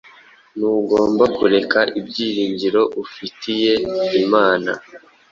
Ntugomba kureka ibyiringiro ufitiye imana